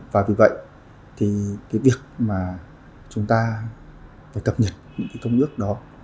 và vì vậy thì cái việc mà chúng ta phải cập nhật những cái công ước đó